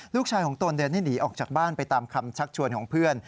ลูกชายของตนเดินให้หนีออกจากบ้านไปตามคำชักชวนของเพื่อน